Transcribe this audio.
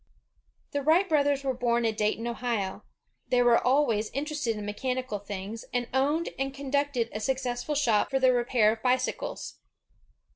The Wright brothers were bom at Dayton, Ohio. They were always interested in mechanical things, and owned and conducted a successful shop for the repair of bicycles.